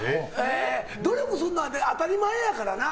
努力するのは当たり前やからな。